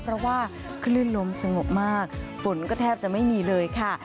เพราะว่าคลื่นลมสงบมากฝนก็แทบจะไม่มีเลยค่ะ